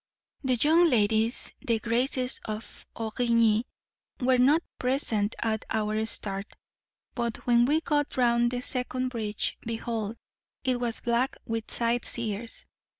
The young ladies, the graces of Origny, were not present at our start, but when we got round to the second bridge, behold, it was black with sightseers!